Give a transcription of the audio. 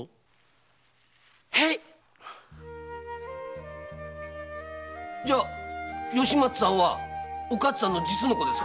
へい！じゃ吉松さんはお勝さんの実の子？